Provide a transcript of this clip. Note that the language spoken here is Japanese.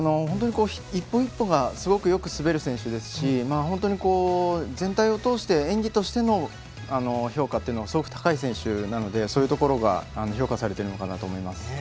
本当に１歩１歩がすごくよく滑る選手ですし全体を通して演技としての評価が高い選手なのでそういうところが評価されているのかなと思います。